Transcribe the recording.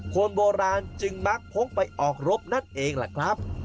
คนโบราณจึงมักพกไปออกรบนั่นเองล่ะครับ